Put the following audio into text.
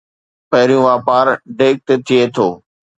پهريون واپار ڊيڪ تي ٿئي ٿو